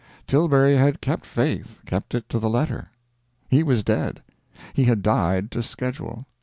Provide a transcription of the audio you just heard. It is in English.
Tilbury had kept faith, kept it to the letter; he was dead, he had died to schedule.